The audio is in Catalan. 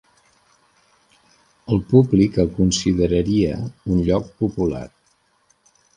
El públic el consideraria un lloc popular.